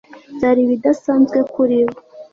Byari ibidasanzwe kuri bo